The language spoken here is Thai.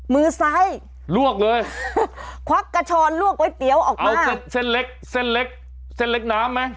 มือซ้ายกระชอนลวกก๋วยเตี๋ยวออกมาเอาเส้นเล็กเส้นเล็กน้ำมั้ย